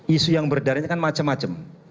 isu yang berdarah ini kan macam macam